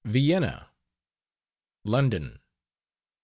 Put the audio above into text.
VIENNA. LONDON.